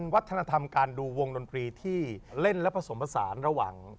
วัฒนธรรมการดูวงดนตรีที่เล่นและผสมผสานระหว่าง